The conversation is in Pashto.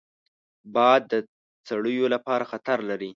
باد د څړیو لپاره خطر لري